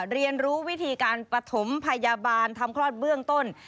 เรียนรู้วิธีการปฐมพยาบาลทำคลอดเบื้องต้น